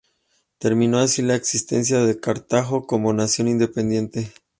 Terminó así la existencia de Cartago como nación independiente.